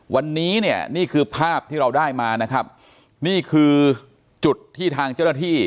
วันนี้เนี่ยนี่คือภาพที่เราได้มานะครับนี่คือจุดที่ทางเจ้าหน้าที่